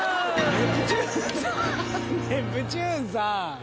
ネプチューンさん